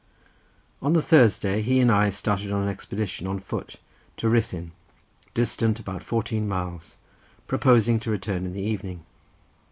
On the Thursday he and I started on an expedition on foot to Ruthyn, distant about fourteen miles, proposing to return in the evening.